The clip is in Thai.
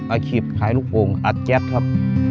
อาคีย์ขายลูกโปรงอัตแจ๊คครับ